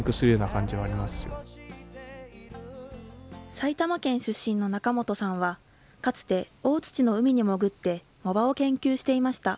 埼玉県出身の中本さんはかつて大の海に潜って藻場を研究していました。